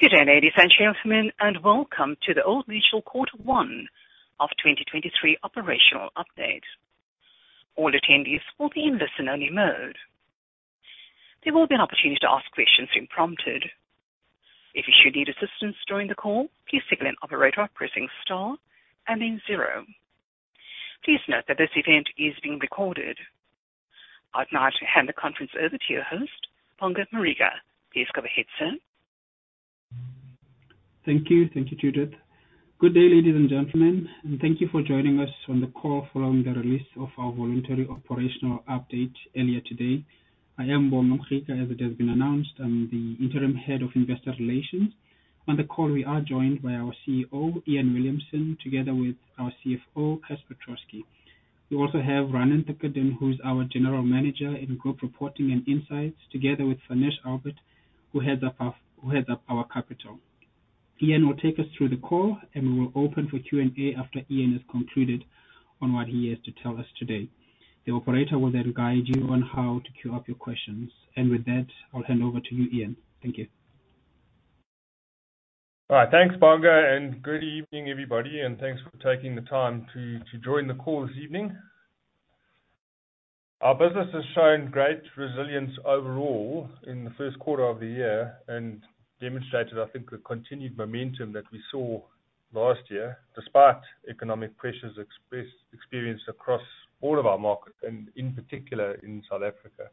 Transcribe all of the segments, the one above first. Good day, ladies and gentlemen. Welcome to the Old Mutual Quarter One of 2023 Operational Update. All attendees will be in listen-only mode. There will be an opportunity to ask questions when prompted. If you should need assistance during the call, please signal an operator by pressing star and then zero. Please note that this event is being recorded. I'd now hand the conference over to your host, Bonga Mriga. Please go ahead, sir. Thank you. Thank you, Judith. Good day, ladies and gentlemen, thank you for joining us on the call following the release of our voluntary operational update earlier today. I am Bonga Mriga. As it has been announced, I'm the Interim Head of Investor Relations. On the call, we are joined by our CEO, Iain Williamson, together with our CFO, Casper Troskie. We also have Ranen Thakurdin, who's our General Manager in Group Reporting and Insights, together with Farnaz Ahmed, who heads up our capital. Iain will take us through the call, we will open for Q&A after Iain has concluded on what he has to tell us today. The operator will guide you on how to queue up your questions. With that, I'll hand over to you, Iain. Thank you. All right, thanks, Bonga, and good evening, everybody, and thanks for taking the time to join the call this evening. Our business has shown great resilience overall in the first quarter of the year and demonstrated, I think, a continued momentum that we saw last year, despite economic pressures experienced across all of our markets and in particular, in South Africa.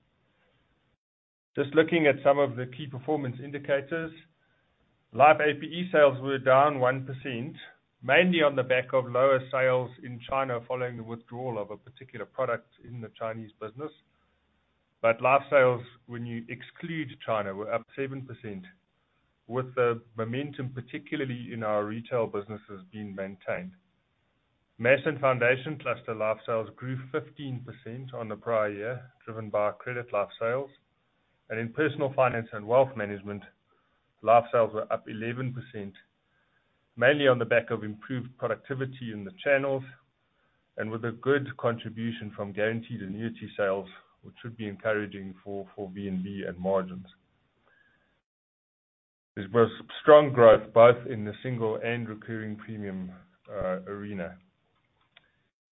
Just looking at some of the key performance indicators, Life APE sales were down 1%, mainly on the back of lower sales in China, following the withdrawal of a particular product in the Chinese business. Life sales, when you exclude China, were up 7%, with the momentum, particularly in our retail businesses, being maintained. Mass and Foundation Cluster Life sales grew 15% on the prior year, driven by Credit Life sales. In Personal Finance and Wealth Management, life sales were up 11%, mainly on the back of improved productivity in the channels and with a good contribution from guaranteed annuity sales, which should be encouraging for VNB and margins. There was strong growth both in the single and recurring premium arena.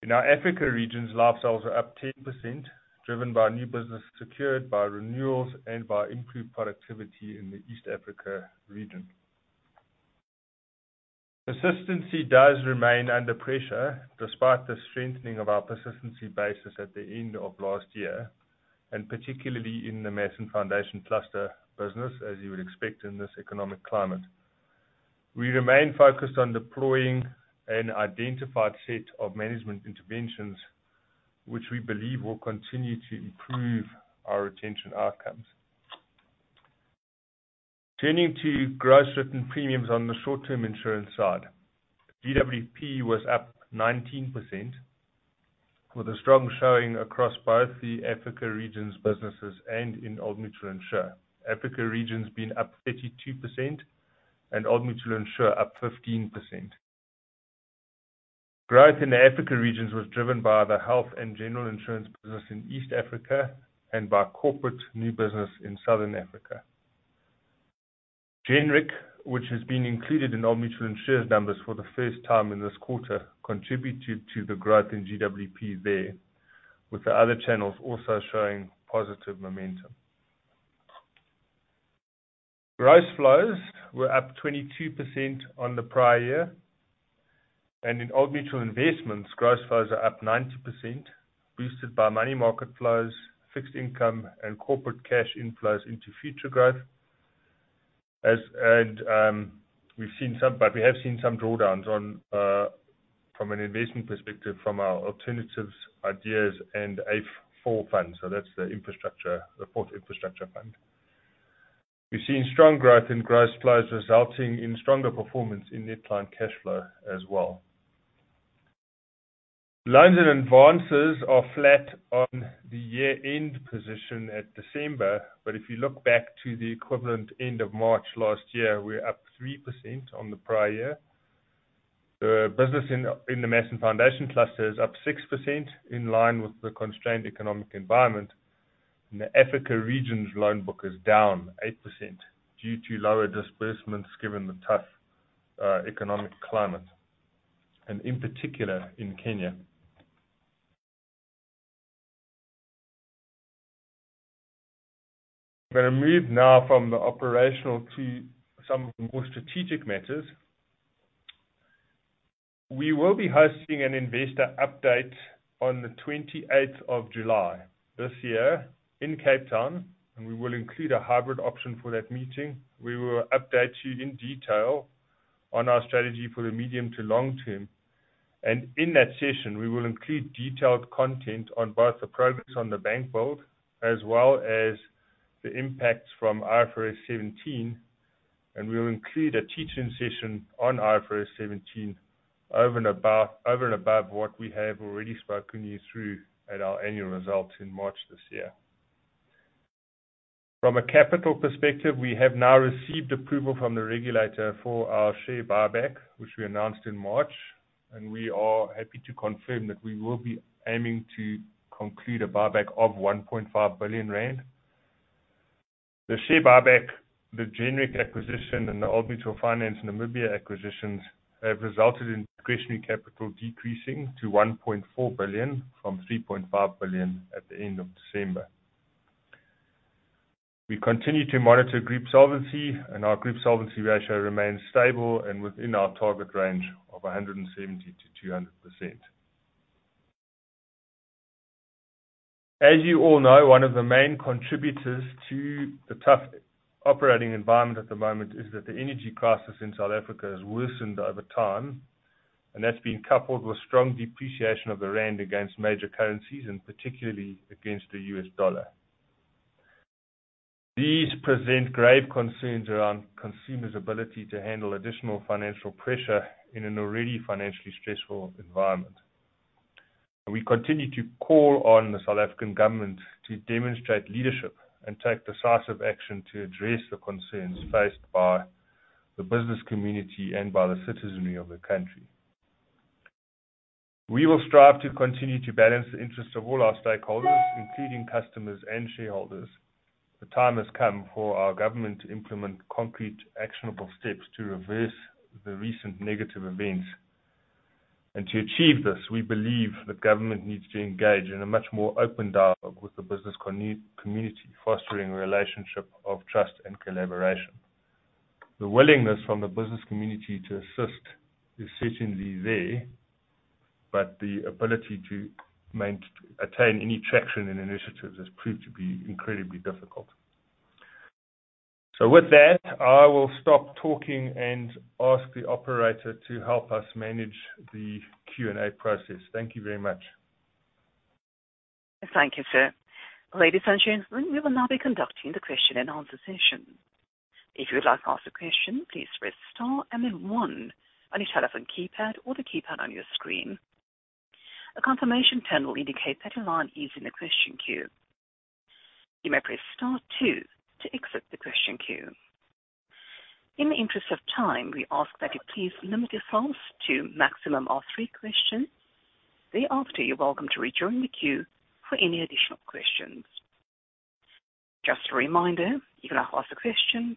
In our Africa regions, life sales are up 10%, driven by new business secured by renewals and by improved productivity in the East Africa region. Persistency does remain under pressure, despite the strengthening of our persistency basis at the end of last year, and particularly in the Mass & Foundation Cluster business, as you would expect in this economic climate. We remain focused on deploying an identified set of management interventions, which we believe will continue to improve our retention outcomes. Turning to gross written premiums on the short-term insurance side, GWP was up 19% with a strong showing across both the Africa regions businesses and in Old Mutual Insure. Africa regions being up 32% and Old Mutual Insure up 15%. Growth in the Africa regions was driven by the health and general insurance business in East Africa and by corporate new business in Southern Africa. Genric, which has been included in Old Mutual Insure's numbers for the first time in this quarter, contributed to the growth in GWP there, with the other channels also showing positive momentum. Gross flows were up 22% on the prior year, and in Old Mutual Investments, gross flows are up 90%, boosted by money market flows, fixed income, and corporate cash inflows into future growth. We have seen some drawdowns on from an investment perspective, from our alternatives, IDEAS, and AIIF4 funds. That's the infrastructure, the fourth infrastructure fund. We've seen strong growth in gross flows, resulting in stronger performance in net client cashflow as well. Loans and advances are flat on the year-end position at December, if you look back to the equivalent end of March last year, we're up 3% on the prior year. The business in the Mass and Foundation Cluster is up 6% in line with the constrained economic environment. The Africa Region's loan book is down 8% due to lower disbursements, given the tough economic climate, and in particular, in Kenya. I'm gonna move now from the operational to some more strategic matters. We will be hosting an investor update on the 28th of July this year in Cape Town. We will include a hybrid option for that meeting. We will update you in detail on our strategy for the medium to long term. In that session, we will include detailed content on both the progress on the bank build as well as the impacts from IFRS 17. We will include a teaching session on IFRS 17, over and above what we have already spoken you through at our annual results in March this year. From a capital perspective, we have now received approval from the regulator for our share buyback, which we announced in March. We are happy to confirm that we will be aiming to conclude a buyback of 1.5 billion rand. The share buyback, the Genric acquisition, and the Old Mutual Finance Namibia acquisitions have resulted in discretionary capital decreasing to 1.4 billion from 3.5 billion at the end of December. We continue to monitor group solvency, and our Group solvency ratio remains stable and within our target range of 170%-200%. As you all know, one of the main contributors to the tough operating environment at the moment is that the energy crisis in South Africa has worsened over time, and that's been coupled with strong depreciation of the rand against major currencies, and particularly against the US dollar. These present grave concerns around consumers' ability to handle additional financial pressure in an already financially stressful environment. We continue to call on the South African government to demonstrate leadership and take decisive action to address the concerns faced by the business community and by the citizenry of the country. We will strive to continue to balance the interests of all our stakeholders, including customers and shareholders. The time has come for our government to implement concrete, actionable steps to reverse the recent negative events. To achieve this, we believe the government needs to engage in a much more open dialogue with the business community, fostering a relationship of trust and collaboration. The willingness from the business community to assist is certainly there, but the ability to attain any traction in initiatives has proved to be incredibly difficult. With that, I will stop talking and ask the operator to help us manage the Q&A process. Thank you very much. Thank you, sir. Ladies and gentlemen, we will now be conducting the question and answer session. If you would like to ask a question, please press star and then one on your telephone keypad or the keypad on your screen. A confirmation tone will indicate that your line is in the question queue. You may press star two to exit the question queue. In the interest of time, we ask that you please limit yourselves to a maximum of three questions. Thereafter, you're welcome to rejoin the queue for any additional questions. Just a reminder, if you'd like to ask a question,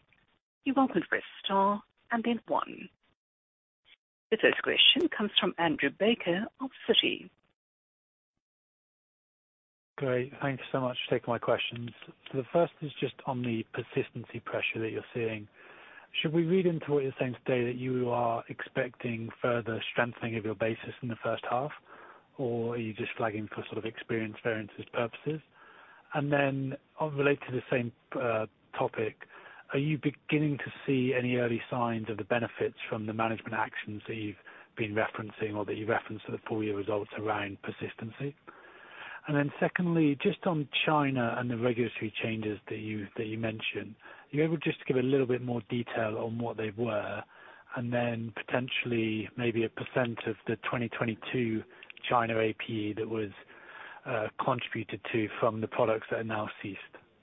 you're welcome to press star and then one. The first question comes from Andrew Baker of Citi. Thank you so much for taking my questions. The first is just on the persistency pressure that you're seeing. Should we read into what you're saying today, that you are expecting further strengthening of your basis in the first half, or are you just flagging for sort of experience, variances, purposes? Related to the same topic, are you beginning to see any early signs of the benefits from the management actions that you've been referencing or that you referenced for the full year results around persistency? Secondly, just on China and the regulatory changes that you mentioned, are you able just to give a little bit more detail on what they were and then potentially maybe a % of the 2022 China APE that was contributed to from the products that are now ceased?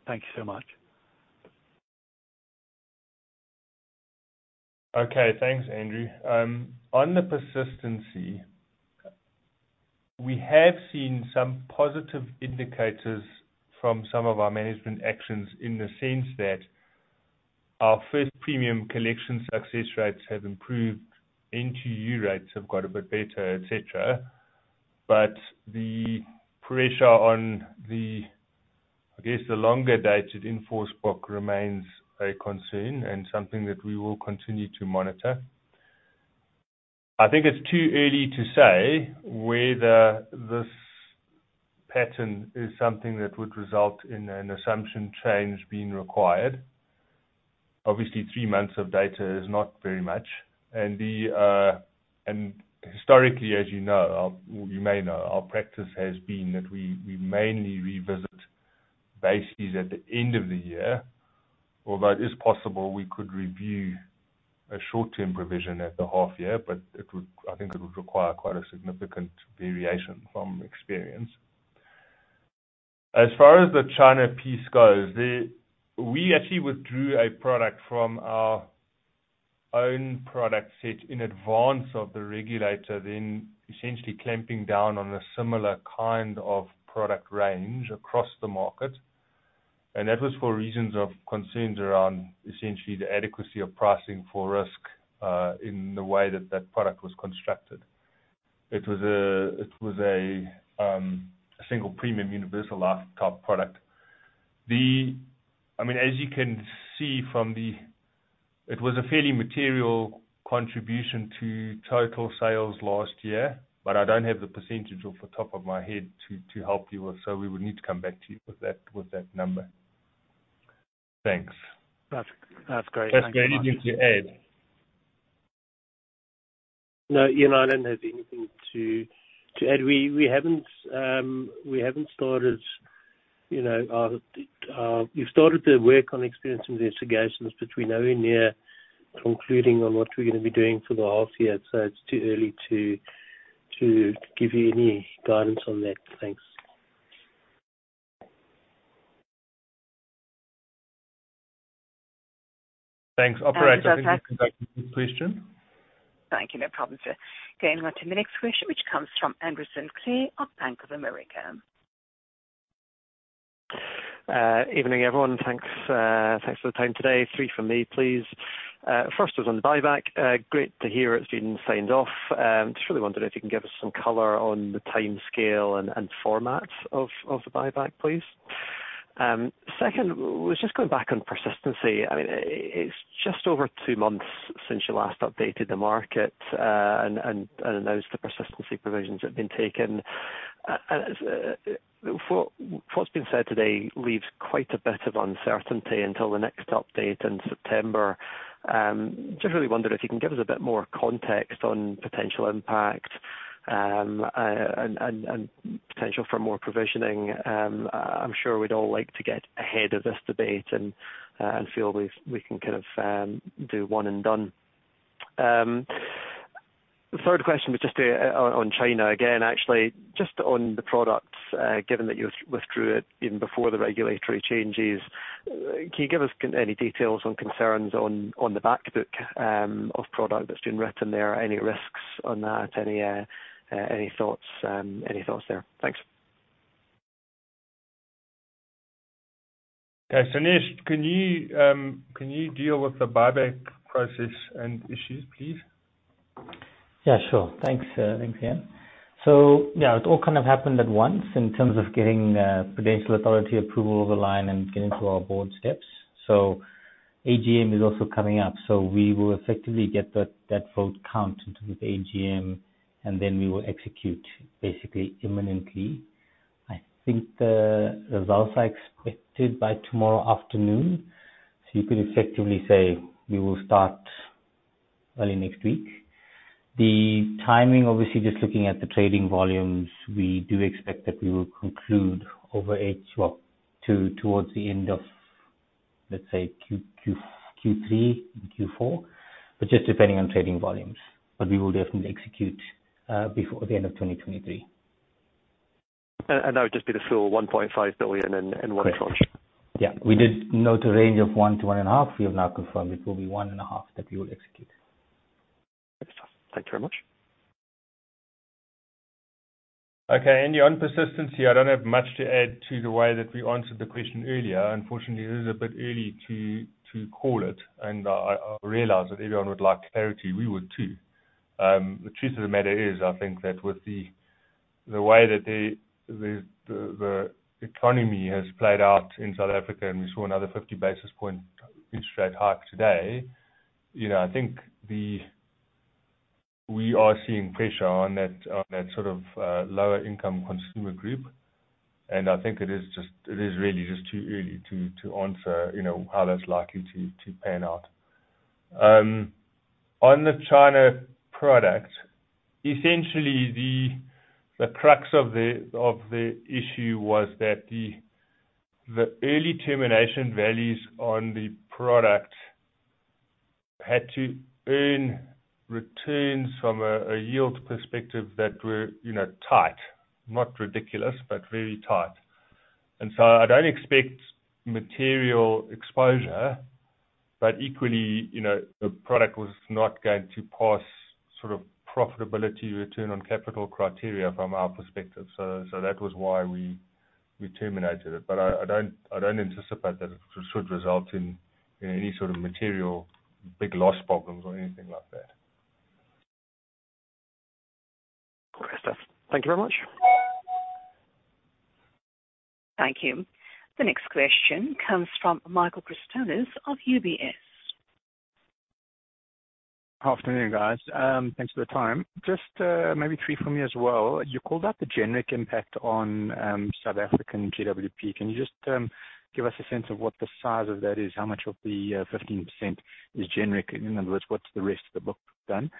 Thank you so much. Okay. Thanks, Andrew. On the persistency, we have seen some positive indicators from some of our management actions in the sense that our first premium collection success rates have improved, NQU rates have got a bit better, et cetera. The pressure on the, I guess, the longer-dated enforced book remains a concern and something that we will continue to monitor. I think it's too early to say whether this pattern is something that would result in an assumption change being required. Obviously, three months of data is not very much, and historically, as you know, or you may know, our practice has been that we mainly revisit bases at the end of the year, although it is possible we could review a short-term provision at the half year, but I think it would require quite a significant variation from experience. As far as the China piece goes, we actually withdrew a product from our own product set in advance of the regulator, then essentially clamping down on a similar kind of product range across the market. That was for reasons of concerns around essentially the adequacy of pricing for risk in the way that that product was constructed. It was a single premium Universal Life type product. I mean, as you can see from the. It was a fairly material contribution to total sales last year, but I don't have the % off the top of my head to help you with, so we would need to come back to you with that number. Thanks. That's great. Caper, anything to add? No, Iain, I don't have anything to add. We haven't started, you know, we've started to work on experience investigations, but we're nowhere near concluding on what we're gonna be doing for the half year, so it's too early to give you any guidance on that. Thanks. Thanks. Operator, I think you can go to the next question. Thank you. No problem, sir. Going on to the next question, which comes from Anderson Chola of Bank of America. Evening, everyone. Thanks. Thanks for the time today. Three from me, please. First was on the buyback. Great to hear it's been signed off. Just really wondering if you can give us some color on the timescale and format of the buyback, please. Second, was just going back on persistency. I mean, it's just over two months since you last updated the market and announced the persistency provisions that have been taken. What's been said today leaves quite a bit of uncertainty until the next update in September. Just really wonder if you can give us a bit more context on potential impact and potential for more provisioning. I'm sure we'd all like to get ahead of this debate and feel we've, we can kind of, do one and done. The third question was just on China again, actually, just on the products, given that you withdrew it even before the regulatory changes. Can you give us any details on concerns on the backbook of product that's been written there? Any risks on that? Any thoughts there? Thanks. Sanesh, can you deal with the buyback process and issues, please? Yeah, sure. Thanks, thanks, Iain. Yeah, it all kind of happened at once in terms of getting Prudential Authority approval over the line and getting through our board steps. AGM is also coming up, we will effectively get that vote count into the AGM, and then we will execute basically imminently. I think the results are expected by tomorrow afternoon. You could effectively say we will start early next week. The timing, obviously, just looking at the trading volumes, we do expect that we will conclude over H1, to towards the end of, let's say, Q3 and Q4, but just depending on trading volumes. We will definitely execute before the end of 2023. That would just be the full 1.5 billion in one tranche? Yeah. We did note a range of one to one and a half. We have now confirmed it will be one and a half that we will execute. Thanks very much. Okay. On persistency, I don't have much to add to the way that we answered the question earlier. Unfortunately, it is a bit early to call it, and I realize that everyone would like clarity. We would, too. The truth of the matter is, I think that with the way that the economy has played out in South Africa, we saw another 50 basis points interest rate hike today, you know, I think we are seeing pressure on that sort of lower income consumer group. I think it is really just too early to answer, you know, how that's likely to pan out. On the China product, essentially the crux of the issue was that the early termination values on the product had to earn returns from a yield perspective that were, you know, tight. Not ridiculous, but very tight. I don't expect material exposure, but equally, you know, the product was not going to pass sort of profitability return on capital criteria from our perspective. That was why we terminated it. I don't anticipate that it should result in any sort of material, big loss problems or anything like that. Great stuff. Thank you very much. Thank you. The next question comes from Michael Christakis of UBS. Afternoon, guys. Thanks for the time. Just, maybe three from me as well. You called out the Genric impact on South African GWP. Can you just give us a sense of what the size of that is? How much of the 15% is Genric? In other words, what's the rest of the book done?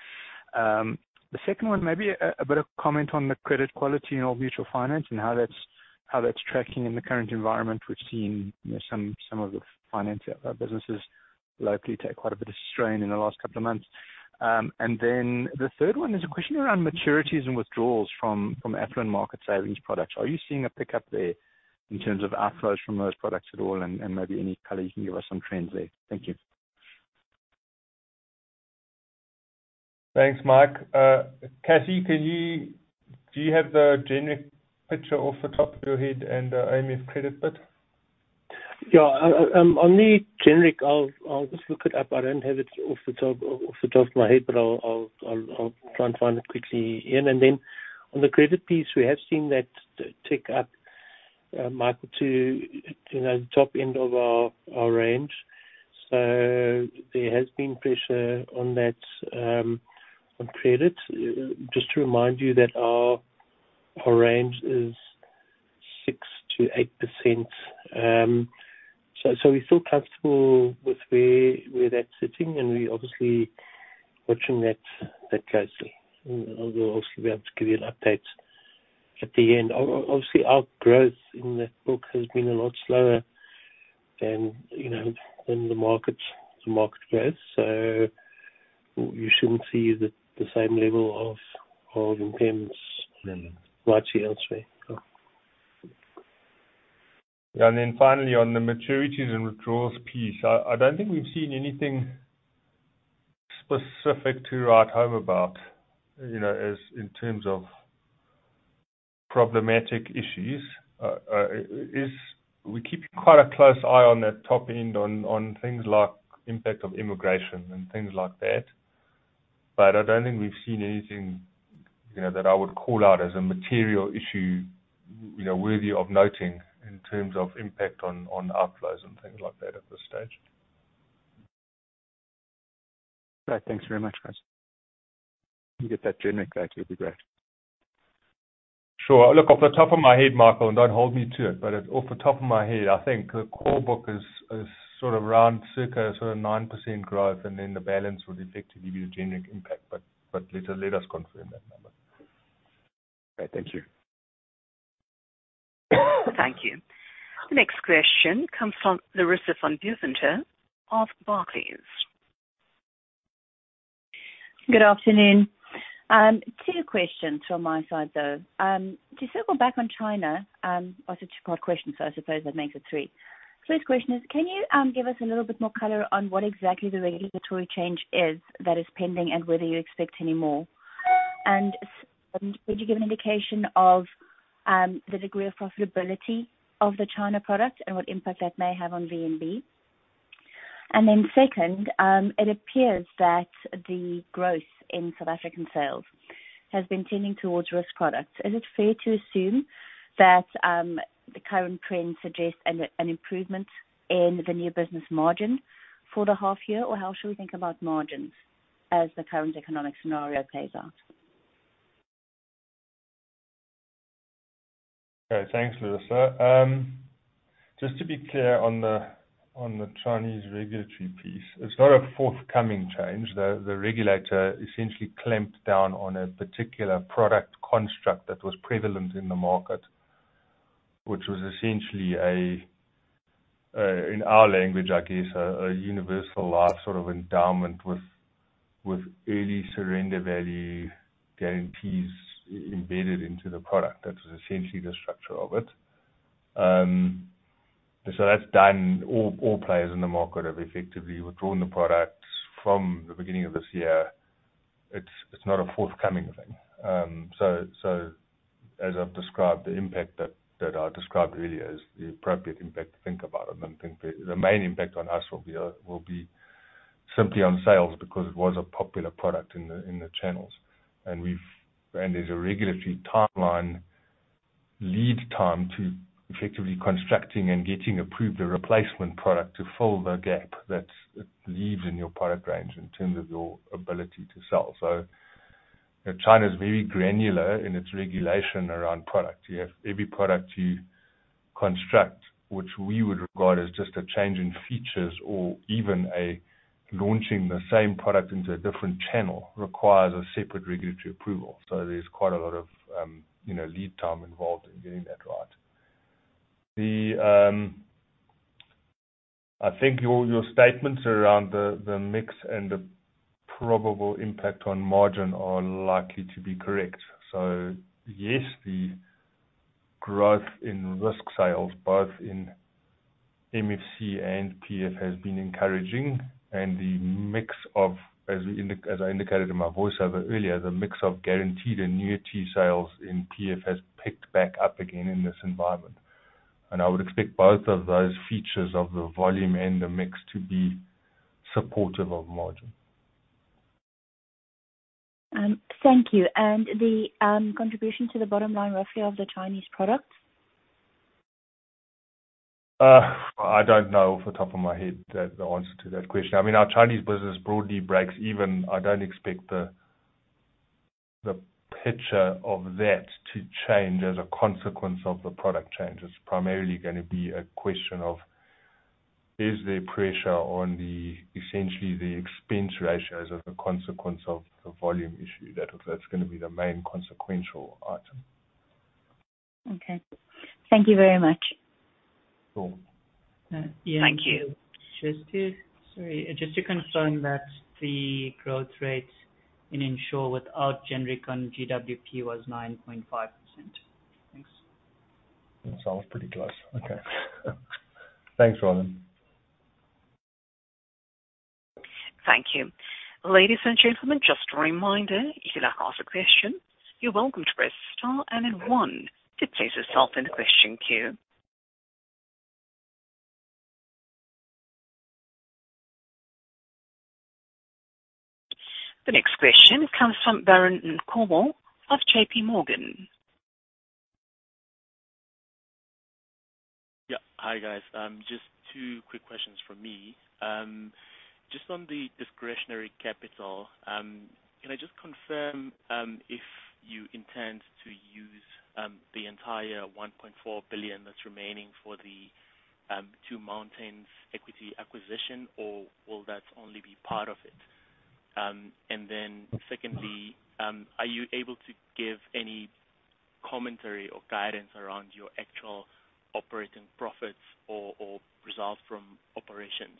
The second one, maybe a better comment on the credit quality in Old Mutual Finance and how that's tracking in the current environment. We've seen, you know, some of the financial businesses locally take quite a bit of strain in the last couple of months. The third one is a question around maturities and withdrawals from affluent market savings products. Are you seeing a pickup there in terms of outflows from those products at all? Maybe any color you can give us on trends there. Thank you. Thanks, Mike. Cassie, can you... Do you have the Genric picture off the top of your head and IMF credit bit? Yeah. On the generic, I'll just look it up. I don't have it off the top of my head, but I'll try and find it quickly, Iain. On the credit piece, we have seen that tick up, Michael, to, you know, the top end of our range. There has been pressure on that on credit. Just to remind you that our range is 6%-8%. We're still comfortable with where that's sitting, and we're obviously watching that closely. I'll obviously be able to give you an update at the end. Obviously, our growth in that book has been a lot slower than, you know, than the market growth. You shouldn't see the same level of impairments widely elsewhere. So- Finally, on the maturities and withdrawals piece, I don't think we've seen anything specific to write home about, you know, as in terms of problematic issues. We're keeping quite a close eye on that top end, on things like impact of immigration and things like that. I don't think we've seen anything, you know, that I would call out as a material issue, you know, worthy of noting in terms of impact on outflows and things like that at this stage. Right. Thanks very much, guys. You get that generic rate, it'll be great. Sure. Look, off the top of my head, Michael, and don't hold me to it, but off the top of my head, I think the core book is sort of around circa sort of 9% growth, and then the balance would effectively be the generic impact. Let us confirm that number. Great. Thank you. Thank you. The next question comes from Larissa Van Deventer of Barclays. Good afternoon. Two questions from my side, though. To circle back on China, I said two part question, so I suppose that makes it three. First question is, can you give us a little bit more color on what exactly the regulatory change is that is pending, and whether you expect any more? Would you give an indication of the degree of profitability of the China product and what impact that may have on VNB? Then second, it appears that the growth in South African sales has been tending towards risk products. Is it fair to assume that the current trend suggests an improvement in the new business margin for the half year? Or how should we think about margins as the current economic scenario plays out? Okay, thanks, Larissa. Just to be clear on the Chinese regulatory piece, it's not a forthcoming change. The regulator essentially clamped down on a particular product construct that was prevalent in the market, which was essentially a in our language, I guess, a Universal Life sort of endowment with early surrender value guarantees embedded into the product. That was essentially the structure of it. That's done. All players in the market have effectively withdrawn the product from the beginning of this year. It's not a forthcoming thing. As I've described, the impact that I described earlier is the appropriate impact to think about it. I think the main impact on us will be simply on sales, because it was a popular product in the channels. There's a regulatory timeline, lead time to effectively constructing and getting approved a replacement product to fill the gap that it leaves in your product range in terms of your ability to sell. You know, China is very granular in its regulation around product. You have every product you construct, which we would regard as just a change in features or even a launching the same product into a different channel, requires a separate regulatory approval. There's quite a lot of, you know, lead time involved in getting that right. I think your statements around the mix and the probable impact on margin are likely to be correct. Yes, the growth in risk sales, both in MFC and PF, has been encouraging. The mix of, as I indicated in my voiceover earlier, the mix of guaranteed and new T sales in PF has picked back up again in this environment. I would expect both of those features of the volume and the mix to be supportive of margin. thank you. The contribution to the bottom line, roughly, of the Chinese products? I don't know off the top of my head, the answer to that question. I mean, our Chinese business broadly breaks even. I don't expect the picture of that to change as a consequence of the product change. It's primarily gonna be a question of: Is there pressure on essentially, the expense ratios as a consequence of the volume issue? That's gonna be the main consequential item. Okay. Thank you very much. Cool. Thank you. Just to, sorry, just to confirm that the growth rate in Insure without Genric on GWP was 9.5%. Thanks. That sounds pretty close. Okay. Thanks, Ranen. Thank you. Ladies and gentlemen, just a reminder, if you'd like to ask a question, you're welcome to press star and then one to place yourself in the question queue. The next question comes from Baron Nkomo of JPMorgan. Yeah. Hi, guys. Just two quick questions from me. Just on the discretionary capital, can I just confirm if you intend to use the entire 1.4 billion that's remaining for the Two Mountains equity acquisition, or will that only be part of it? Secondly, are you able to give any commentary or guidance around your actual operating profits or results from operations?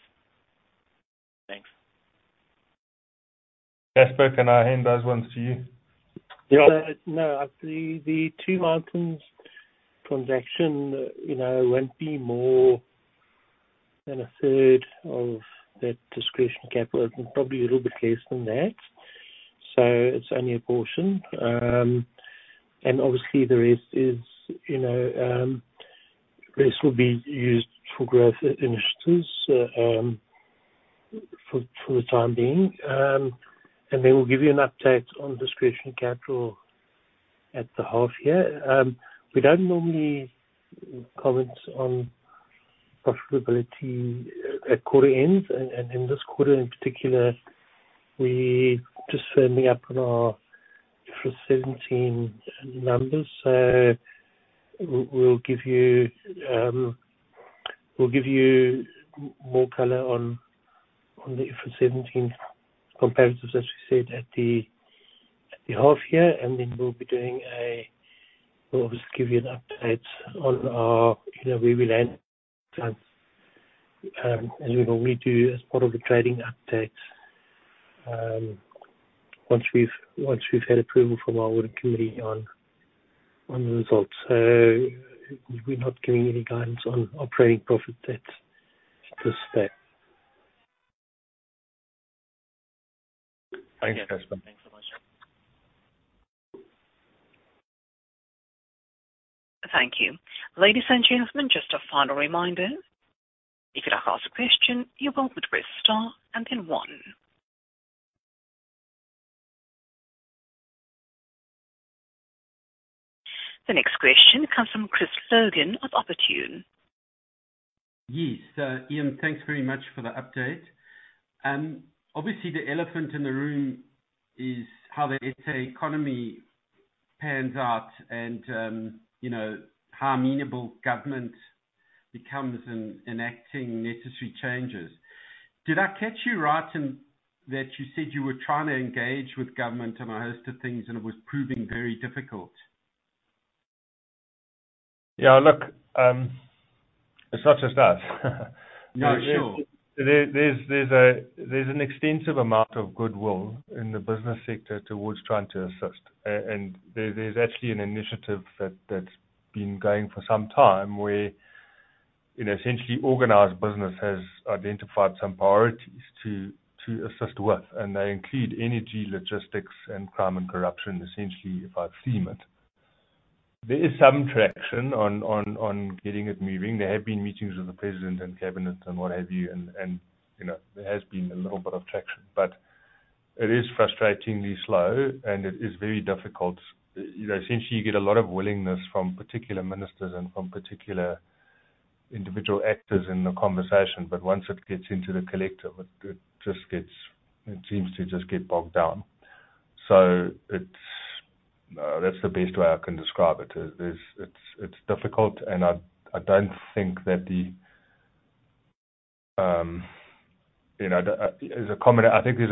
Thanks. Casper, can I hand those ones to you? No, I see the Two Mountains transaction, you know, won't be more than a third of that discretionary capital, and probably a little bit less than that. It's only a portion. Obviously, the rest is, you know, rest will be used for growth initiatives for the time being. We'll give you an update on discretionary capital at the half year. We don't normally comment on profitability at quarter end. In this quarter in particular, we just firmly up on our IFRS 17 numbers. We'll give you, we'll give you more color on the IFRS 17 comparatives, as we said at the half year. We'll obviously give you an update on our, you know, where we land. We will need to, as part of the trading update, once we've had approval from our audit committee on the results. We're not giving any guidance on operating profit at this stage. Thanks, Casper. Thanks so much. Thank you. Ladies and gentlemen, just a final reminder. If you'd like to ask a question, you will with press star and then one. The next question comes from Chris Logan of Opportune. Yes. Iain, thanks very much for the update. Obviously, the elephant in the room is how the SA economy pans out and, you know, how amenable government becomes in enacting necessary changes. Did I catch you right, in that you said you were trying to engage with government on a host of things, and it was proving very difficult? Yeah, look, it's not just us. Yeah, sure. There's an extensive amount of goodwill in the business sector towards trying to assist. There's actually an initiative that's been going for some time, where, you know, essentially organized business has identified some priorities to assist with, and they include energy, logistics, and crime and corruption, essentially, if I've seen it. There is some traction on getting it moving. There have been meetings with the president and cabinet and what have you. You know, there has been a little bit of traction, but it is frustratingly slow, and it is very difficult. You know, essentially, you get a lot of willingness from particular ministers and from particular individual actors in the conversation. Once it gets into the collective, it just gets. It seems to just get bogged down. It's that's the best way I can describe it, is it's difficult, and I don't think that, you know, I think there's a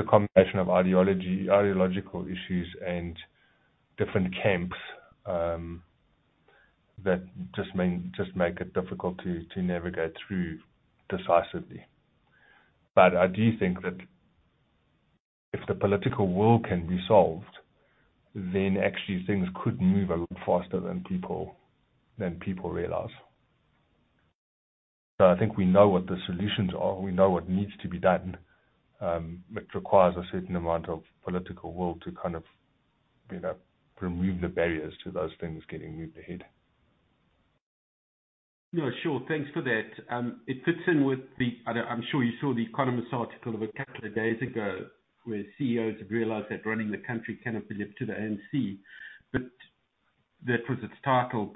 combination of ideology, ideological issues and different camps, that just make it difficult to navigate through decisively. I do think that if the political will can be solved, then actually things could move a lot faster than people realize. I think we know what the solutions are, we know what needs to be done. It requires a certain amount of political will to kind of, you know, remove the barriers to those things getting moved ahead. Yeah, sure. Thanks for that. It fits in with the... I'm sure you saw The Economist article about a couple of days ago, where CEOs have realized that running the country cannot be left to the ANC, that was its title.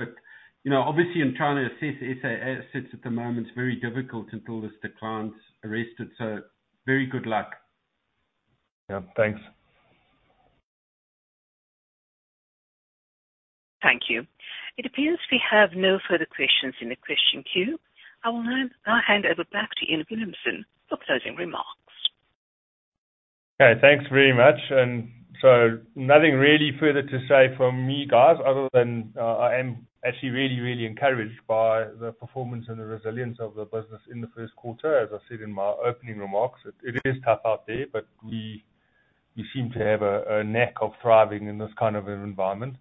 You know, obviously in trying to assess SA assets at the moment, it's very difficult until the decline's arrested. Very good luck. Yeah, thanks. Thank you. It appears we have no further questions in the question queue. I will now hand over back to Iain Williamson for closing remarks. Okay, thanks very much. Nothing really further to say from me, guys, other than, I am actually really, really encouraged by the performance and the resilience of the business in the first quarter. As I said in my opening remarks, it is tough out there, but we seem to have a knack of thriving in this kind of an environment.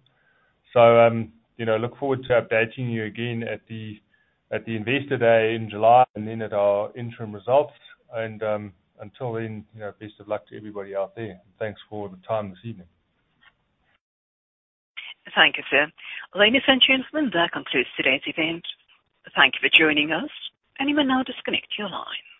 You know, look forward to updating you again at the Investor Day in July and then at our interim results. Until then, you know, best of luck to everybody out there. Thanks for the time this evening. Thank you, sir. Ladies and gentlemen, that concludes today's event. Thank you for joining us, and you may now disconnect your lines.